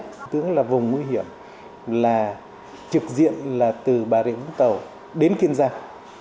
thứ trưởng là vùng nguy hiểm là trực diện là từ bà rịa vũng tàu đến kiên giang